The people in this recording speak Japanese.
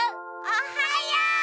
おはよう！